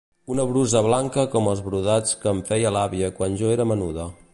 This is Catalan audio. Una brusa blanca com els brodats que em feia l'àvia quan jo era menuda.